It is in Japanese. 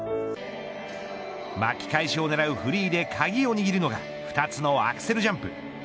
巻き返しを狙うフリーで鍵を握るのが２つのアクセルジャンプ。